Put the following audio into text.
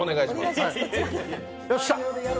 よっしゃ！